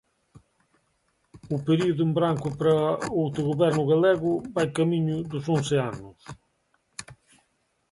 O período en branco para o autogoberno galego vai camiño dos once anos.